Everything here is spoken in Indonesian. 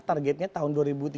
targetnya tahun dua ribu tiga puluh